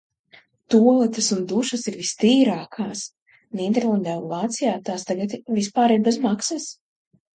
Tualetes un dušas ir vistīrākās! Nīderlandē un Vācijā tās tagad vispār ir bezmaksas.